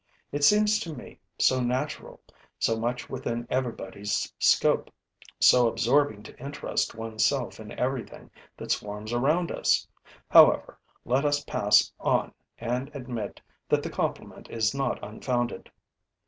It seems to me so natural, so much within everybody's scope, so absorbing to interest one's self in everything that swarms around us! However, let us pass on and admit that the compliment is not unfounded.